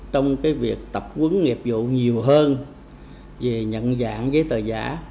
trong việc tập quấn nghiệp vụ nhiều hơn về nhận dạng giấy tờ giả